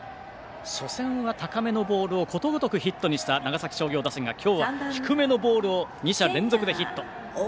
初戦は高めのボールをことごとくヒットにした長崎商業打線が今日は低めのボールを２者連続でヒット。